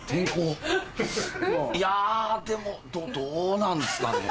いやでもどうなんですかね？